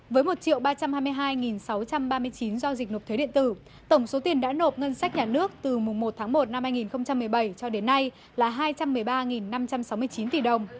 với một ba trăm hai mươi hai sáu trăm ba mươi chín giao dịch nộp thuế điện tử tổng số tiền đã nộp ngân sách nhà nước từ mùng một tháng một năm hai nghìn một mươi bảy cho đến nay là hai trăm một mươi ba năm trăm sáu mươi chín tỷ đồng